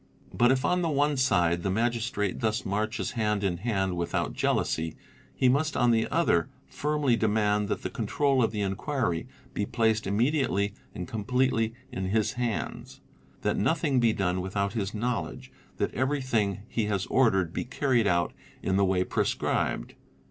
But if on the one side the Magistrate thus marches hand _ in hand without jealousy, he must on the other firmly demand that _ the control of the inquiry be placed immediately and completely in his hands; that nothing be done without his knowledge, and that every thing he has ordered be carried out in the way prescribed.